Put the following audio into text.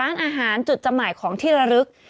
ร้านอาหารจุดจำหมายของธิรรภิกษ์